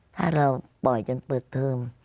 ถ้าเราปล่อยกันเปิดเทอม